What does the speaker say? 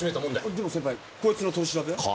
でも先輩こいつの取り調べは？